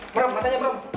meram matanya meram